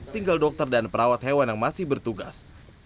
tinggal dokter dan perawat hewan yang masih bertugas